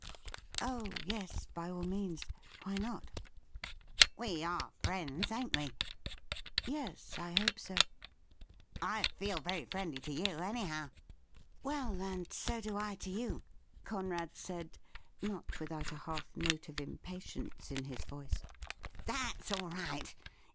' Oh yes, by all means ; why not ?'' We are friends, ain't we V ' Yes, I hope so.' ' I feel very friendly to you, anyhow.' ' Well, and so do I to you,' Conrad said, not without a half note of impatience in his voice. ' That's all right.